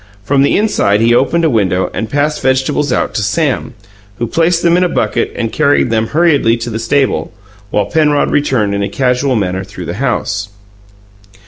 From the inside he opened a window and passed vegetables out to Sam, who placed them in a bucket and carried them hurriedly to the stable, while Penrod returned in a casual manner through the house.